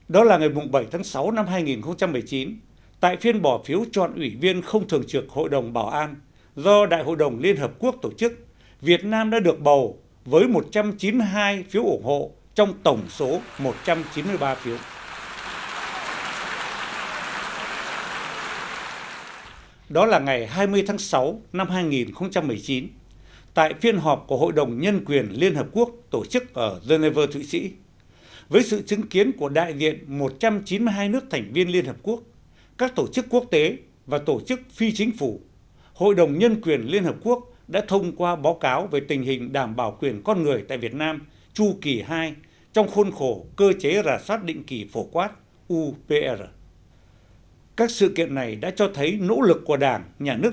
đó là ngày bảy tháng sáu năm hai nghìn một mươi chín tại phiên bỏ phiếu chọn ủy viên không thường trực hội đồng bảo an do đại hội đồng liên hợp quốc tổ chức